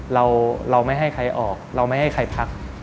เราไม่ให้ใครออกเราไม่ให้ใครพัก